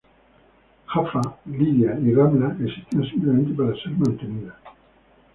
Jaffa, Lida y Ramla existían simplemente para ser mantenidas.